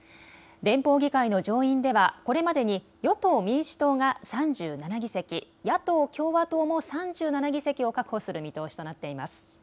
連邦議会の上院ではこれまでに与党・民主党が３７議席、野党・共和党も３７議席を確保する見通しとなっています。